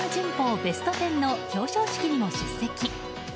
ベスト・テンの表彰式にも出席。